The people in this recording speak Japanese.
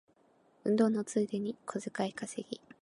運動のついでに小遣い稼ぎ